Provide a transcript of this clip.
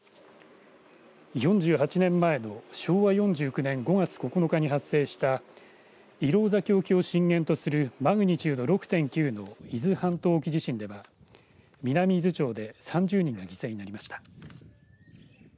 ４８年前の昭和４９年５月９日に発生した石廊崎沖を震源とするマグニチュード６．９の伊豆半島沖地震では南伊豆町で３０人が犠牲になりました。